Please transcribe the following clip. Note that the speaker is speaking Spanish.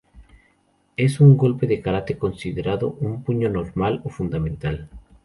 Es un golpe de Karate considerado un puño normal o fundamental.